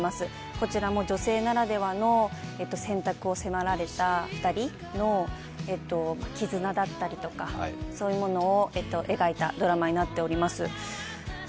こちらも女性ならではの選択を迫られた２人の絆だったりとかそういうものを描いたドラマになっております。